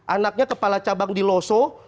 anaknya kepala cabang di loso